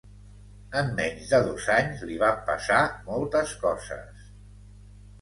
En menys de dos anys li van passar moltes coses.